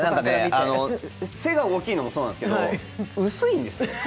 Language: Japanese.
背が大きいのもそうなんですけど、薄いんですよ。